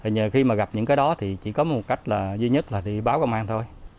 giờ khi mà gặp những cái đó thì chỉ có một cách là duy nhất là thì báo công an thôi